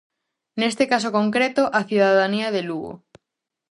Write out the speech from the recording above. Neste caso concreto, a cidadanía de Lugo.